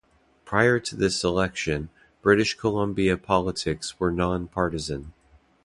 Prior to this election, British Columbia politics were non-partisan.